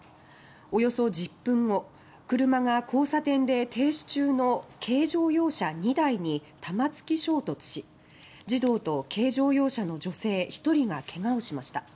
およそ１０分後車が交差点で停止中の軽乗用車２台に玉突き衝突し児童と軽乗用車の女性１人がけがをしました。